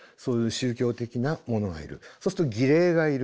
そうすると儀礼がいる。